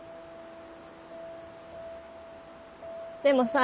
でも。